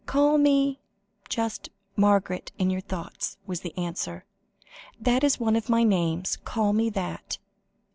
"Call me just Margaret in your thoughts," was the answer; "that is one of my names; call me that."